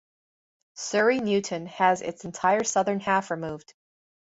Surrey-Newton has its entire southern half removed.